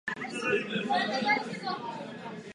Holding sestává čtyř společností.